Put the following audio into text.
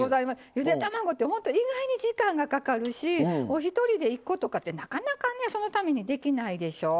ゆで卵ってほんと意外に時間がかかるしお一人で１個とかってなかなかねそのためにできないでしょ。